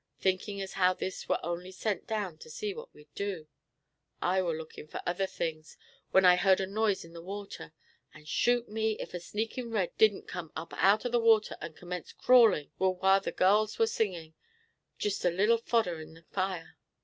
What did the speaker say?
Thinkin' as how this war only sent down to see what we'd do, I war lookin' fur other things, when I heard a noise in the water, and, shoot me, ef a sneakin' red didn't come up out of the water, and commence crawlin' toward whar the gals war singin'. (Jist put a little fodder on the fire.)"